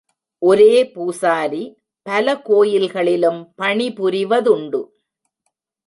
ஒரே பூசாரி பல கோயில்களிலும் பணிபுரிவதுண்டு.